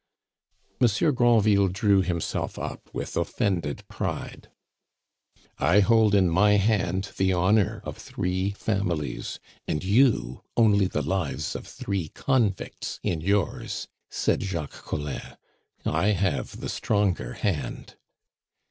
Monsieur Granville drew himself up with offended pride. "I hold in my hand the honor of three families, and you only the lives of three convicts in yours," said Jacques Collin. "I have the stronger hand."